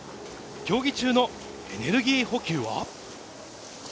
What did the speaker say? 競技中のエネルギー補給は。